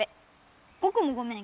ぼくもごめん。